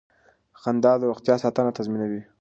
خندا د روغتیا ساتنه تضمینوي.